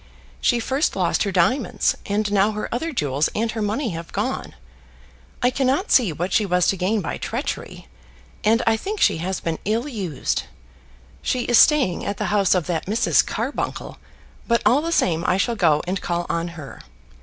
She first lost her diamonds, and now her other jewels and her money have gone. I cannot see what she was to gain by treachery, and I think she has been ill used. She is staying at the house of that Mrs. Carbuncle, but all the same I shall go and call on her.